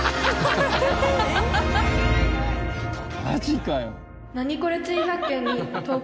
マジかよ。